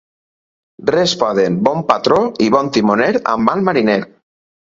Res poden bon patró i bon timoner amb mal mariner.